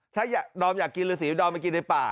ถ้าดอมอยากกินฤษีดอมไปกินในป่า